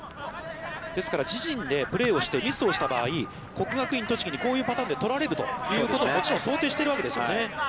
ですから、自陣でプレーをしてミスをした場合、こういうパターンでとられるということをもちろん想定しているわけですよね。